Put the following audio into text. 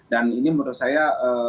dan ini menurut saya